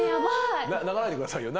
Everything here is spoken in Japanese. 泣かないでくださいよ。